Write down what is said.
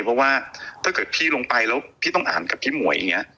ถ้าเกิดพี่ลงไปแล้วพี่ต้องอ่านกับพี่หมวย